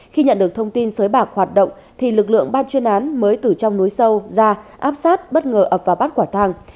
khi nhận được thông tin xới bạc hoạt động lực lượng ban chuyên án mới từ trong núi sâu ra áp sát bất ngờ ập vào bát quả thang